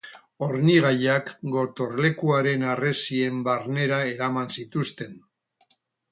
Hornigaiak gotorlekuaren harresien barnera eraman zituzten.